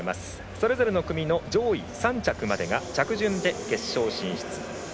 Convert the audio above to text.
それぞれの組の上位３着までが着順で決勝進出。